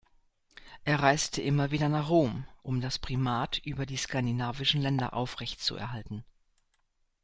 Er reiste immer wieder nach Rom, um das Primat über die skandinavischen Länder aufrechtzuerhalten.